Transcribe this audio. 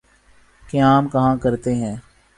قیام کہاں کرتے ہیں؟